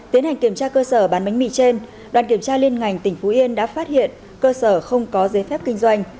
tiến hành kiểm tra cơ sở bán bánh mì trên đoàn kiểm tra liên ngành tỉnh phú yên đã phát hiện cơ sở không có giấy phép kinh doanh